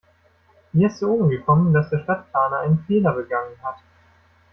Mir ist zu Ohren gekommen, dass der Stadtplaner einen Fehler begangen hat.